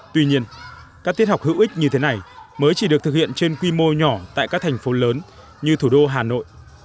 tuy nhiên các tiết học hữu ích như thế này mới chỉ được thực hiện trên quy mô nhỏ tại các thành phố lớn như thủ đô hà nội